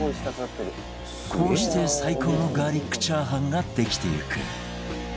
こうして最高のガーリックチャーハンができていく